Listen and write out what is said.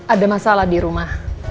ada masalah di rumah